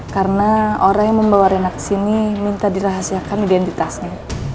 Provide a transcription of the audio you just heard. karena orang yang membawa ena ke sini minta dirahasiakan identitasnya